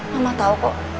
mama tau kok